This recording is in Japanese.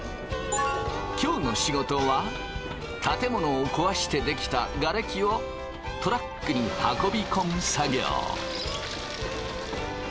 今日の仕事は建物をこわして出来たがれきをトラックに運び込む作業。